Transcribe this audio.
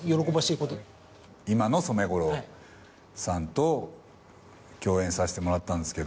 今の染五郎さんと共演させてもらったんですけど。